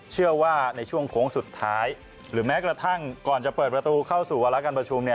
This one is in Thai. เชื่อว่าในช่วงโค้งสุดท้ายหรือแม้กระทั่งก่อนจะเปิดประตูเข้าสู่วาระการประชุม